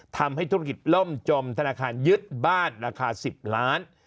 ทำให้ธุรกิจล่มจมธนาคารยึดบ้านราคา๑๐ล้าน